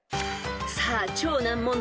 ［さあ超難問